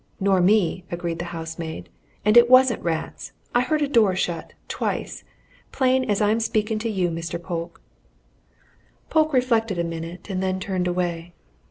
"Nor me!" agreed the housemaid. "And it wasn't rats. I heard a door shut twice. Plain as I'm speaking to you, Mr. Polke." Polke reflected a minute and then turned away.